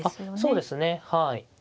そうですねはい。